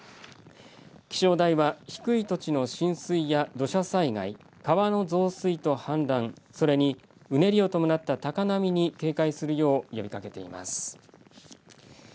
気象台は低い土地の浸水や土砂災害、川の増水と氾濫それにうねりを伴った高波に警戒するよう呼びかけています。